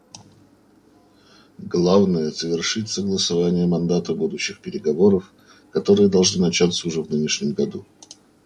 Главное — завершить согласование мандата будущих переговоров, которые должны начаться уже в нынешнем году.